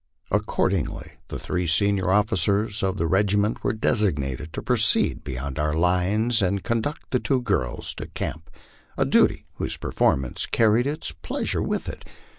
Accordingly the three senior officers of the regiment were designated to proceed beyond our lines and conduct the two girls to camp a duty whose performance carried its pleasure with it.